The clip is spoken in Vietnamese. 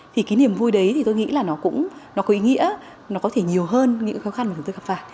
thì cái niềm vui đấy thì tôi nghĩ là nó cũng nó có ý nghĩa nó có thể nhiều hơn những khó khăn mà chúng tôi gặp phải